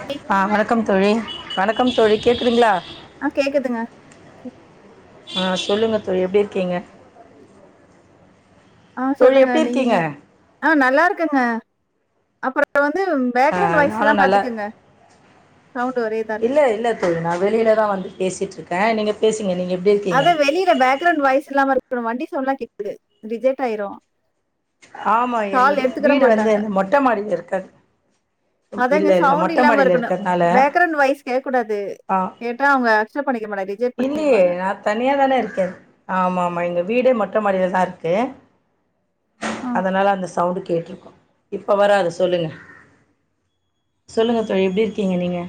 வண்டி ஆ வணக்கம் தோழி வணக்கம் தோழி கேட்குதுங்ளா ஆ கேக்குதுங்க சோ ஆ சொல்லுங்கப்பு எப்டியிருக்கீங்க ஆ தோழி சொல்லுங்க நீங்க எப்டிருக்கீங்க ஆ நல்லாயிருக்குங்க அப்ற வந் ஆ நானு நல்ல சவுண்ட் ஒரே இதா இருக்கு. இல்ல இல்ல தோழி நா வெளியிலதா வந்து பேசிட்டுயிருக் ஆ நீங்க பேசி அத வெளியில பேக்ரேவுண்ட் வாய்ஸ்லா வர் அப்றோ வண்டி சொன்ட்லா கேட்குது ரிஜெட் ஆயிரு ஆமா என்னுடைய வீடு வந்து மொட்ட மாடியாருக்காது அதங்க சவுண்ட் இல்லாம இருக்கணு பேக்ரண்ட் வாய்ஸ் கேக்கூடாது ஆ கேட்டா அவங்க அக்சப்ட் பண்ணிக்க மாட்டா ரிஜெட் பண்ணிடுவாங்க தனியா தானே இருக்க ஆமா ஆமா எங்க வீடே மொட்ட மாடியில தான் இருக்கு ஆ. அதனால அந்த சவுண்டுக்கு கேட்ருக்கு இப்ப வராது சொல்லுங்க சொல்லுங்க தோழி எப்டி இருக்கீங்க நீங்க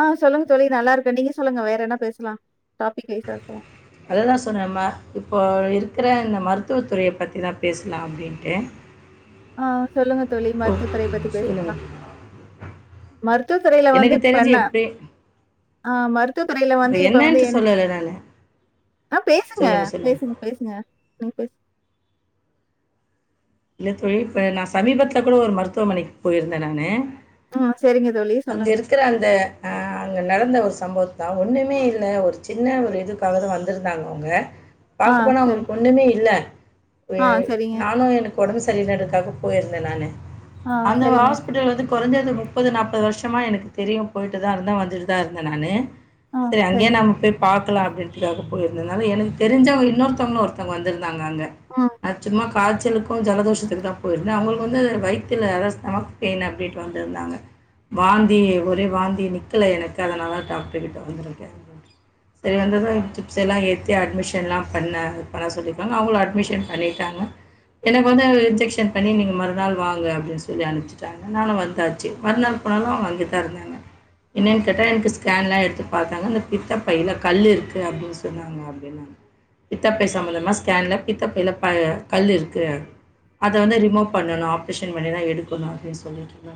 ஆ சொல்லுங்க தோழி நல்லா இருக்கன் நீங்க சொல்லுங்க வேற என்ன பேசலா டாபிக் வெய்ச ஃபோ அதுதா சொன்ன ம இப்போயிருக்குற இந்த மருத்துவ துறைய பத்திதா பேசலா அப்டின்டு ஆ சொல்லுங்க தோழி மருத்துவத்துறைய பத்தி பேசிக்லா சொல்லுங்கள் மருத்துவதுறையில வந்து எனக்கு தெரிஞ்சு ப்பெண்ண எப்படி ஆ மரு த்துவ துறையில இப்போ வந்து இப்ப வந்து என்னன்ட்டு என் சொல்லலை நான் ஆ பேசுங்க சொல்லுங்கள் பேசுங்க சொல்லுங்கள் பேசுங்க நீ பேசுங் இல்ல தோழி இப்ப நா சமீபத்துல கூட ஒரு மருத்துவமனைக்கு போயிருந்தே நானு ம் சரிங்க தோழி சொல்லுங்க. அங்கயிருக்கிற அந்த ஆ அங்க நடந்த ஒரு சம்பவுதா ஒன்னுமே யில்ல ஒரு சின்ன ஒரு இதுகாக தா வந்துருந்தாங்க அவ்ங்க ஆ பாக்க போனா சரி. அவங்களுகு ஒணுமே யில்ல ஆ ஏ சரிங்க. நானு எனுக்கு ஒடம்பு சரியில்லன்றத்துக்காக போயிருந்தே நானு ஆ அந்த சரிங்க. ஹாஸ்பிடல வந்து குறைஞ்சது முப்பது நாப்பது வருஷமா எனக்கு தெரியு போயிட்டு தா இருந்தே வந்துட்டு தா இருந்தே நானு சரி அங்கயே நாம போய் பா [unintelligible] போயிருந்தனால எனக்கு தெரிஞ்சவங்க இன்னொருத்தவங்க ஒருத்தங்க வந்திரு நாதாங்க ம். அத் சும்மா காய்ச்சலுக் ஜலதோஷத்துக்கு தா போயிருந்தே அவங்களுக்கு வந்து வயத்துல அதாவது ஸ்டமக் பெயின் அப்டின்ட்டு வந்திருந்தாங்க வாந்தி ஒரே வாந்தி நிக்கல எனக்கு அதனால தான் டாக்டர் கிட்ட வந்திருக்கே சரி வந்ததான் சிப்ஸ் எல்லாம் ஏத்தி அட்மிஷன் எலாம் பண்ண பண்ண சொல்லியிருக்காங்க அவங்களும் அட்மிஷன் பண்ணிட்டாங்க எனக்கு வந்து இன்ஜெக்ஷன் பண்ணி நீங்கள் மறுநாள் வாங்க அபடின்னு சொல்லி அனுபிச்சுட்டாங்க நானு வந்தாச்சு மறுநாள் போனாலு அவங்க வாங்கி தா இருந்தாங்க என்னனு கேட்டா எனக்கு ஸ்கேன்லாம் எடுத்து பாத்தாங்க இந்த பித்த பையில கல் இருக்குது அப்டின்னு சொன்னாங்க அப்டின்னாங்க பித்தப்பை சம்மந்தமாக ஸ்கேனில் பித்த பையில கல் இருக்கு ந்து அத வந்து ரிமூ பண்ணனும்ஆப்ரஷன் பண்ணித எடுக்கணு அப்டினுசொல்லிட்டு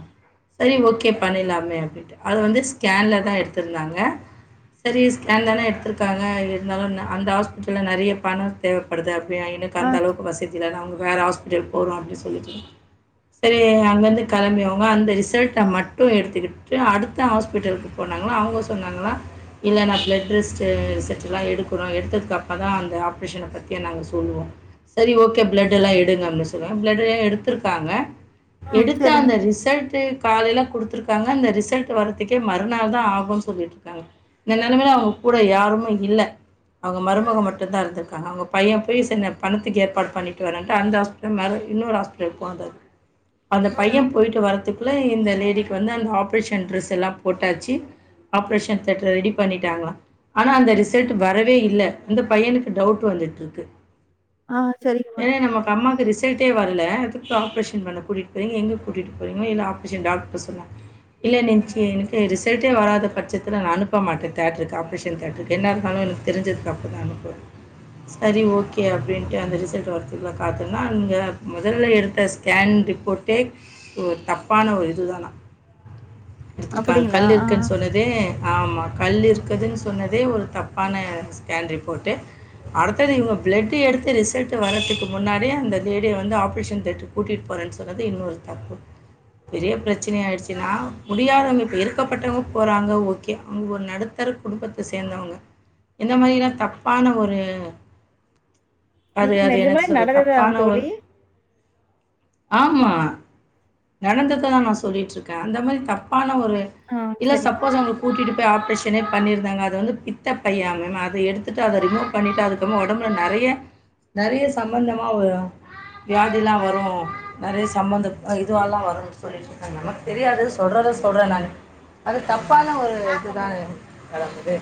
செரி ஓக்கே பண்ணிலாமேஅப்டிடு அதுவந்துஸ்கேன்லதா எடுத்து யிருதாங்க செரி ஸ்கேனலதா எடுத்திருகாங்க ஹ இருந்தாலுஅந்த ஹாஸ்பிடல நிறைய பணம் தேவப்படுதே வங்க எனுக்கு ஆ. அந்தளவுக்கு வசித் வேற ஹாஸ்பிடல் போறோ அப்டினு சொல்லி செரி அங்கிருந்து கிளம்பிவாங்க அந்த ரிச் சட்டா மட்டு எடுத்துக்கி அடுத்த ஹாஸ்பிட்டலுக்கு போனாங்களா அவங்க சொன்னாங்களா இல்ல நா ப்ளட் ரெஸ்ட்டு ரிசல்டெலாம் எடுக்கணும் எடுத்ததுக்கப்பதான் அந்த ஆப்ரேஷனை பத்தியே நாங்க சொல்லுவோ சரி ஓகே ப்ளட்ல்லாம் எடுங்க அப்டி சொல்ட்ரங் ப்ளட் எடுத்திருக்காங்க ம். எடுத்த சரிங்க. அந்த ரிசல்டு காலையில கொடுத் ருக்காங்க அந்த ரிசல்ட் வர்துக்கே மறுநாள் ஆகுனு சொல்லிட்டு இருக்க இந்த நிலமையில அவங்கூட யாருமேயில்ல அவுங்க மருமக ம். மட்டுதாயிருந்துயிருகாங்க அவங்க பையன் பீரின்டனு பணத்துக்கு ஏற்பாடு பண்ணி வெனன்டு அந்தஹாஸ்பிடல்மேல இன்னொரு ஹாஸ்பிட்ல் போந்த அந்த பைய ம். போயிட்டு வர்துக் ல இந்த லேடிக்கு வந்து அந்த ஆப்ரேஷன் ட்ரெஸ்லாம் போட்டாச்சு ஆப்ரேஷன் தேட்டர் ரெடி பண்ணியிடாங்களா ஆனா அந்த ரிசல்ட் வரவேயில்ல அந்த பையனுக்கு டவுட் வந்துட்டுயிருக்கு ஆ சரிங்கம்மா. ஏனா நம்ம பம்மா சரிஸ் ரிசல்ட்டே வர்ல அதுக்கு ஆப்ரேஷன் பண்ண கூட்டிட்டு போகிறீங்க எங்கே கூட்டிட்டு போகறீங்கள இல்லை ஆப்ரேஷன் டாக்டர் சொன்னான் இல்லை நன்னைக்கு எனக்கு ரிசல்ட்டே வராத பட்சத்தில் நா அனுப்ப மாட்டேன் தேட்டருக்கு ஆப்ரேஷன் தேட்டருக்கு என்ன இருந்தாலும் எனக்கு தெரி்சதுக்க தான் அனுப்புவே சரி ஓகே அப்டின்ட்டு அந்த ரிசல்ட் த்திகுல்ல பாத்தர்ள அங்க முதல்ல எடுத்த ஸ்கேன் ரிப்போட்டே ம் தப்பான ஒரு துதானா எடுத்திருக்காங் அப்படிங்களா? கல் ஆ. இருக்குன்னு சொன்னதே ஆமா கல்லுயிருக்குதுனு சொன்னதே ஒரு தப்பான ஸ்கேன் ரிப்போட்டு அடுத்தது இவங்க ப்ளட் எடுத்து ரிசல்ட் ட் வர்றதுக்கு முன்னாடியே அந்த லேடிய வந்து ஆப்ரேஷன் த்தேட்டருக்கு கூட்டிட்டு போறேன்னு சொன்னறது இன்னொரு தப்பு பெரிய பிரச்சன யிடுச்சுனா முடியாதவங்க இப்ப இருக்கபட்டவங்க போறாங்க ஓகே அவங்க ஒரு நடுத்தர குடும்பத்த சேந்தவங்க இந்த மாதில்லாம் தப்பான ஒரு அது இது அது நிஜமே என்னது சொல்றது? நடந்ததான் தப்பான தோழி ஒரு ஆமா நடந்ததுதான் நா சொல்லிட்டுஇருக்கே அந்த மாதிரி தப்பான ன ஒரு ஆ இல்ல சரிங்க. சப்போஸ் அவங்கல கூட்டிட்டு போயி ஆப்ரேஷ பண்ணியிருந்தாக அத வந்து பித்த பை அத எடுத்துட்டு அத ரிமூவ் பணிட்டு அதுக்கப்ற ஒடம்புல நெறைய நெறைய சம்பந்தமா ஒரு வியாதில்லாம் வரும் நெறைய சம்பந்த இதுவ எல்லாம் வரும்னு சொல்லிட்டு இருக்காங்க நமக்கு தெரியாது சொல்றத சொல்றே நானு அது தப்பான ஒரு இதுதான் கலந்தது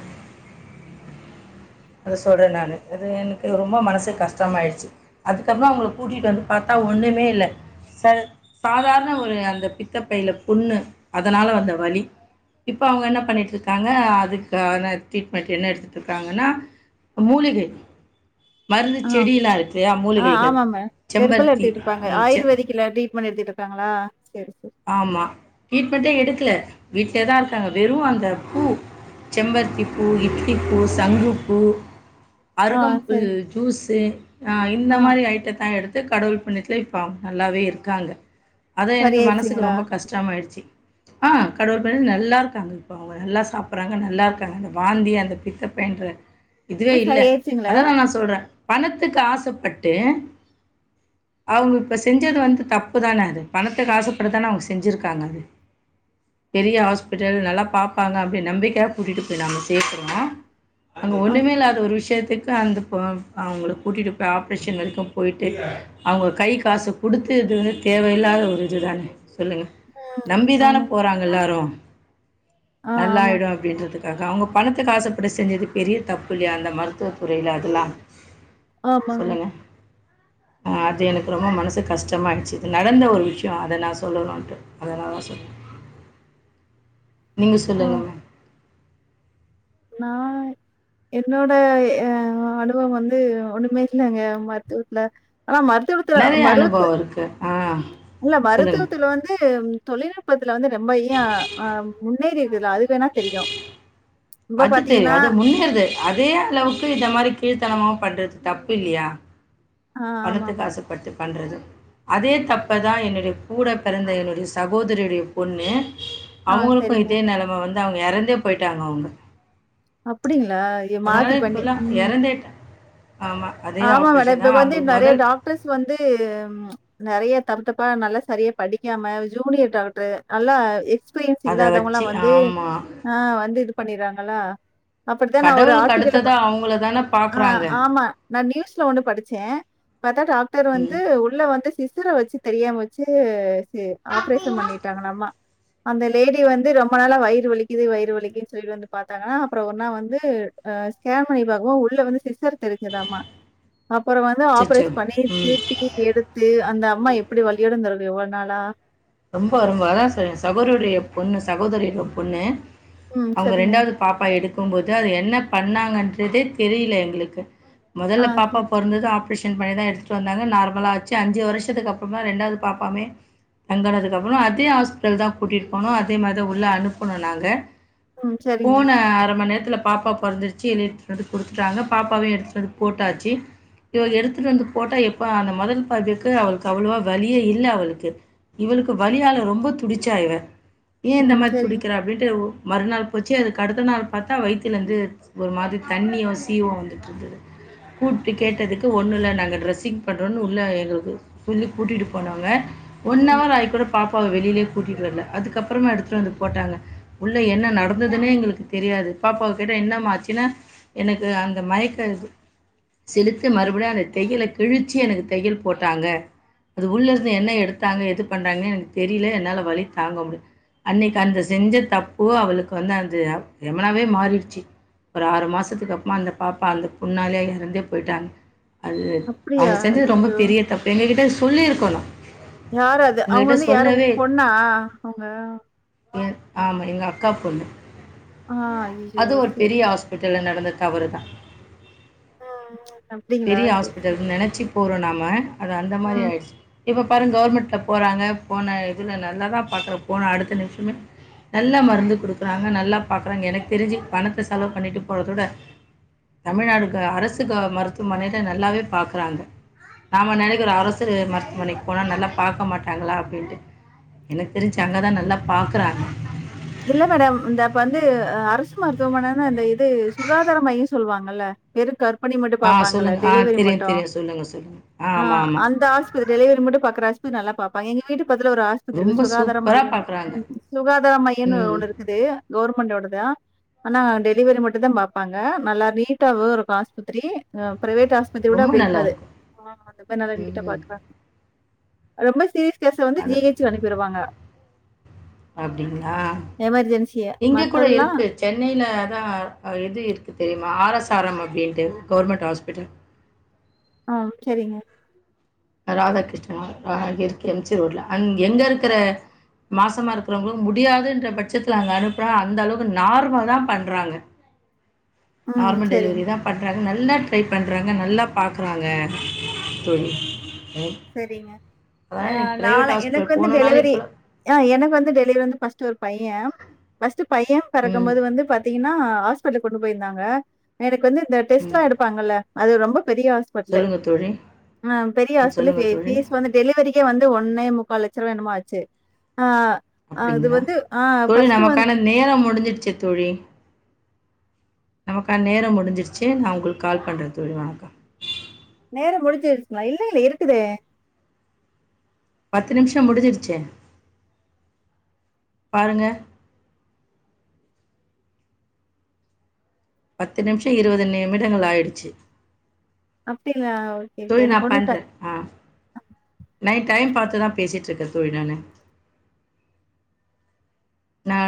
அத சொல்றே நானு அது எனக்கு ரொம்ப மனசுக்கு கஷ்டமாயிடுச்சு அதுக்கபற அவங்கல கூட்டிட்டு வந்து பாத்தா ஒண்ணுமேயில இல்ல சாதாரண ஒரு அந்த பித்த பை புன்ணு அதனால வந்த வலி இப்ப அவங்க என்ன பண்ணிட்டு யிருக்காங்க அதுகான ட்ரீட்மெண்ட் என்ன எடுத்துட்டு இருக்காங்கனா மூலிகை மருந்து ஆ. செடில்லாம் இருக்கு ஆ மூலிகைகள் ஆமாங்க. செம்பருத்தி பண்ணி எடுத்தட்டு இருக்காங்களா சரி சரி. ஆம்மா இப்பதிக்கு எடுக்கல வீலதான் இருக்காங்க வெறும் அந்த பூ செம்பருத்தி பூ இட்லி பூ சங்குப்பூ ஆ அருகம்புல் சரி. ஜுஸ்சு ஆ இந்த மாதிரி ஐட்ட தான் எடுத் கடவுள் புண்ணித்ல இப்ப நல்லாவே இருக்காங்க அதான் எனக்கு மனஸ் சரியாயிருச்சுங்களா? ரொம்ப கஷ்டம ஆயிடுச்சு ஆஹ் கடவுள் படி நல்லா இருக்காங்க இப்ப அவங்க நல்லா சாப்பிடடுறாங்க நல்லா இருக்காங்க வாந்தி அந்த பித்தப்பைன்ற இதுவே போய் இல்ல சரியாயிருச்சுங்களா? அததான் நான் சொல்றேன் பணத்துக்கு ஆசைப்பட்டு அவங்க இப்ப செஞ்சது வந்து தப்புதானே அது பணத்துக்கு ஆசைப்ப அப்படி தானே அவுங்க செஞ்சுருக்காங்க பெரிய ஹாஸ்பிட்டல் நல்லா பாப்பாங்க அப்படி நம்பிக்கையா கூட்டிகிட்டு போய் நாம சேர்க்குறோம் அங்க ஆ ஒண்ணுமே இல்லாத ஒரு விஷயத்து எதுக்கு அந்த இப்போ அவங்க கூட்டிகிட்டு போய் ஆப்ரேஷன் வரைக்கும் போய்ட்டு அவங்க கை காசு கொடுத்து இது வந்து தேவையில்லாத ஒரு இது தானே சொல்லுங்க நம்பி தானே ஆமாங்க. போறாங்க எல்லாரும் ஆ ஆமாங்க. நல்லாயிடும் அப்படின்றதுக்கு அவுங்க பணத்துக்கு ஆசப்பட்டு செஞ்சது பெரிய தப்பு இல்லியா அந்த மருத்துவ துறையில அதுலாம் ஆமாங்க அது எனக்கு ரொம்ப மனசு கஷ்டமாயிடுச்சு நடந்த ஒரு விஷயம் அதை நான் சொன் சொல்லணட்டு அதனால தா சொல்லுவே நீங்க ஆ சொல்லுங்க மேம் நான் என்னோடய அனுபவம் வந்து ஒண்ணுமே இல்லைங்க மருத்துவத்துல ஆனா மருத்துவத்துல நெறைய மருவத்து அனுபவம் இருக்கு. ஆ இல்ல சொல்லுங்க. மருத்துவத்துல வந்து தொழில் பத் இதுல வந்து ரொம்ப யா என்னது இதுல அது வேணா தெரியும் இப்ப அது தெரியும் பாத்தீங்கன்னா அது முன்னேறுது அதே அளவுக்கு இந்த மாரி கீழ்த்தனமா பண்றது தப்பு இல்லியா ஆ பணத்து ஆமாமா. காசப்பட்டு பண்ணுறது அதே தப்ப தான் என்னுடைய கூட பிறந்த என்னுடைய சகோதரியுடைய பொண்ணு ஆ அவுங்களுக்கு சரிங்க. இதே நெலம வந்து அவுங்க இறந்தே போயிட்டாங்க அவுங்க அப்படி அதனால இப்பல்லாம் இறந்ததேட்டாங் ஆமா அதே ஆமா மேடம் ஆப்ரேஷன் இப்ப தான் வந்து அவங்களுக்கு நெறைய முதல் டாக்டர்ஸ் வந்து நெறைய தப்பா நல்லா சரியா படிக்காம ஜூனியர் டாக்டர் நல்லா எ எக்ஸ்பிரியன்ஸ் அத வச்சு இல்லாதவங்களாம் வந்து ஆமா. ஆஹ் வந்து பண்ணிறாங்களா கடவுள்க்கு அடுத்ததா அவங்கள தான பாக்குறாங்க நா நியூஸ்ல ஒன்னு படிச்சே பார்த்தா டாக்டர் வந்து ம். உள்ள வந்து சிஸ் த்துல வச்சு தெரியாம வச்சு [unintelligible] ஆப்ரேஷன் பண்ணிட்டாங்களாம்மா அந்த லேடி வந்து ரொம்ப நாள வயிறு வலிக்குது வயிறு வலிக்குன்னு சொல்லிட்டு வந்து பா்த்தாங்கன்னா அப்றோ ஒருனா வந்து அ ஸ்கேன் பண்ணி பாக்கும்போ உள்ள வந்து சிஸர் தெரிஞ்சுதாமா அப்புறோ வந்து அச்சச்சோ! ஆப்ரேஷ் பண்ணி ம். திருப்பி எடுத்து அந்த அம்மா எப்டி வலியோடுருந் இவ்ளோ நாளா ரொம்ப ரொம்ப அதா ச சகோதரியுடைய பொண்ணு சகோதரியுட பொண்ணு ம். அவங்க சரிங்க. ரெண்டாவது பாப்பா எடுக்க இருக்கும் போது அது என்ன பண்ணாங்கன்றதே தெரில எங்களுக்கு ஆ மொதல்ல பாப்பா சரி. பொறந்தது ஆப் ஆப்ரேஷன் பண்ணிதா எடுதுட் வந்தாங்கா நார்மலாச்சு அஞ்சி வருஷத்துக்கு அப்றமா ரெண்டாவது பாப்பாமே வெங்கனதுக்கு அப்றோ அதே ஹாஸ்பிட்டல் தா கூட்டிட்டு போணு அதே மாதி தா உள்ள அனுப்ணோ நாங்க ம். சரிங்க. போன அர மணி நேரத்ல பாப்பா பொறந்துடுச்சு எ எடுத்துட்டு வந்து குடுத்துட்டாங்க பாப்பாவையு எடுத்துட்டு வந்து போட்டாச்சு இவங்க எடுத்துட்டு வந்து போட்டா எப்ப அந்த முதல் பாகுக்கு அவளுக்கு அவ்வளோவா வலியே இல்ல அவளுக்கு இவளுக்கு வலியால ரொம்ப துடிச்சா இவ ஏன் இந்த ம். மாதி சரிங்க. துடிக்கிறா அப்டின்ட்டு மறுநாள் போச்சு அதுக்கு அடுத்த நாள் பார்த்தா வய்துலிருந்து ஒரு மாதிரி தண்ணியோ சீவோ வந்துட்டுருந்தது கூப்ட்டு கேட்டதுக்கு ஒன்னுல்ல நாங்கன்ரெஸ்ஸிங் பண்ணுறோன்னு உள்ள எங்களுக்கு சொல்லி கூட்டிட்டு போனோங்க ம். ஒன்னவர் ஆயி கூட பா பாப்பாவ வெளிலேயே கூட்டிட்டு வர்ல அதுக்கப்புறமா எடுத்துட்டு வந்து போட்டாங்க உள்ள என்ன நடந்ததுனே எங்களுக்கு தெரியாது பாப்பாவ கிட்ட என்னமாச்சுனா எனக்கு அந்த மயக்க செலுத்து மறுபடியு அந்த தெய்யல கிழிச்சி எனக்கு தெயல் போட்டாங்க அது உள்ள இருந்து என்ன எடுத்து தங்க எது பண்றாங்கன்னு எனக்கு தெரில என்னால வலி தாங்க முடியல அன்னைக்கு அந்த செஞ்ச தப்பு அவளுக்கு வந்து அந்த எமனாவே மாறிடுச்சு ஒரு ஆறு மாசத்துக்குகப்மா அந்த பாப்பா அந்த புண்ணாலே எறந்தே போயிட்டாங்க அது அப்படியா? அவங்க செஞ்சது ரொம்ப ஐயோ! பெரிய தப்பு எங்க கிட்ட சொல்லியிருக்கோனு யாரது அவங்க வந்து யாரும் பொண்ணா அவங்க மா எங்க அக்கா பொண்ணு ஆ ஐயோ! அது ஒரு சரி. பெரிய ஹாஸ்பிட்டல நடந்தது தவறுதா அப்டிங்களா சேரி சேரி போரோ நம அது அந்த மாரி ஆயிடுச்சு இப்ப கவர்மெண்ட்ல்ல போறாங்க போன இதில நல்லா தா பார்க்கற போன அடுத்த நிமிஷமே நல்ல மருந்து கொடுக்குறாங்க நல்லா பார்க்கறாங்க எனக்கு தெரிஞ்சு பணத்த செலவு பண்ணிட்டு போறதோட தமிழ்நாடு அரசு க மருத்துவமனையில நல்லாவே பாக்குறாங்க நாம நினைக்கிறோ அரசு மருத்துவமனைக்கு போனா நல்லா பார்க்க மாட்டாங்களா அப்டின்ட்டு எனக்கு தெரிஞ்சு அங்கதா நல்லா பாக்குறாங்க இல்ல மேடம் இந்த இப்ப வந்து அரசு மருத்துவமனைனா அந்த இது சுகாதார மையம் சொல்லுவாங்கல்ல வெறு க பணி மட்டும் ஆ பாப்பாங்கள சொல்லுங்க. ஆ டெலிவரி தெரியும், மட்டும் தெரியும். சொல்லுங்க, சொல்லுங்க. ஆ ஆமா, ஆமா. அந்த ஆஸ்பத் டெலிவரி மட்டும் பாக்குற ஆஸ் க்கு நல்லா பாப்பாங்க எங்க வீட்டுப் பக்கதுல ஒரு ஆஸ்பித்ரி ரொம்ப இருக்கு சுகாதார சூப்பரா மையன்னு பார்க்குறாங்க. சுகாதார மைய் இன்னு ம். ஒன்னு இருக்குது கவர்மெண்டோடதுதான் ஆனா டெலிவரி மட் மட்டுந்தான் பாப்பாங்க நல்லா நீட்டாவு இருக்கும் ஆஸ்பத்திரி அ பிரைவேட் ஆஸ்பித்திரி கூட ரொம்ப அப்டி இருக்காது நல்லாயிருக்கும். ஆ அந்த மாரி நல்லா நீட்டா ம்ஹ்ம். பாத்துகுறாங்க ரொம்ப சீரிஸ் கேஸ வந்து ஜிஹெச்சு அனுப்பிருவாங்க அப்டிங்க ஆ எமர்ஜென்சிய இங்க கூட மத்ததெல்லாம் இருக்கு சென்னைல அதான் அ இது இருக்குது ஆர் எஸ் ஆர் எம் அப்டின்ட்டு கவர்மெண்ட் ஹாஸ்பிட்டல் ஆ சரிங்க ராதாகிருஷ்ணன் அ இருக்கு எம் ஜி ரோட்ல அங் எங்க இருக்குற மாசமா இருக்குறவங்களு முடியாதுன்ற பட்சத்துல அங்க அனுப்புனா அந்த அளவுக்கு நார்மல் தான் பண்றாங்க ம் நார்மல் சரிங்க, டெலிவரி தான் பண்றாங்க நல் ல்லா ட்ரை பண்றாங்க நல்லா பாக்குறாங்க தோழி ம். சரிங்க அதான் ஆ எனக்கு நாள பிரைவேட் எனக்கு ஹாஸ்பிட்டல் வந்து போணும்னாலே டெலிவரி இப்போலாம் ஆ எனக்கு வந்து டெலிவரி வந்து பஸ்ட்டு பையன் பஸ்ட்டு பையன் ம். பிறக்கும்போது வந்து பாத்தீங் என்னா ஹாஸ்பிட்டலுக்கு கொண்டு போயிருந்தாங்க எனக்கு வந்து இந்த டெஸ்ட் லா ம். எடுபாங்கல்ல அது ரொம்பக் பெரிய ஹாஸ்பட்லு சொல்லுங்க தோழி. அ பெரிய ஹாஸ் புள்ள சொல்லுங்க கே தோழி பீஃஸ் வந்து டெலிவரிக்கே வந்து ஒன்னே முக்கால் லட்ச் சருவா என்னமோ ஆச்சு ஆ அது அப்டிங்களா வந்து ஆ தோழி ஃபர்ஸ்ட்டு வந்து நமக்கான நேரம் முடிஞ்சிருச்சு தோழி நமக்கான நேரம் முடிஞ்சிருச்சு நான் உங்களுக்கு கால் பண்ற தோழி நானு நேரொ முடிஞ்சிடுச்சுங்களா இல்ல இல்ல இருக்குதே பத்து நிமிஷோ முடிஞ்சிருச்சே பாருங்க பத்து நிமிஷோ இருவது நிமிடங்கள் ஆயிடுச்சு அப்டிங்களா? Okay, okay. தோழி நா எனக்கு ஒன்னும் பண்றேன் ஆ நைட் டைம் பாத்து ங்கிட்டதான் பேசிட்ருக்கே தோழி நானு நான்